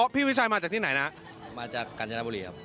พี่วิชัยมาจากที่ไหนนะมาจากกัญจนบุรีครับ